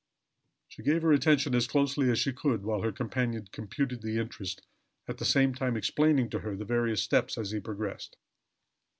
She gave her attention as closely as she could, while her companion computed the interest, at the same time explaining to her the various steps as he progressed.